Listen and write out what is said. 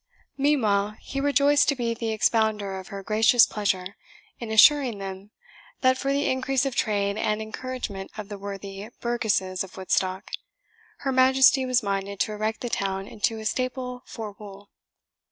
Meanwhile, he rejoiced to be the expounder of her gracious pleasure, in assuring them that, for the increase of trade and encouragement of the worthy burgesses of Woodstock, her Majesty was minded to erect the town into a Staple for wool.